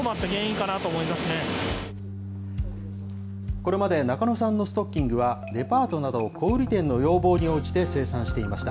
これまで中野さんのストッキングはデパートなど小売り店の要望に応じて生産していました。